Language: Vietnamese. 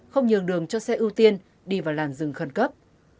không nhường đường cho xe ưu tiên đi vào làn rừng khẩn cấp